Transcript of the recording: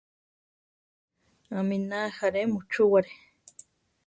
Aminá ajaré muchúware.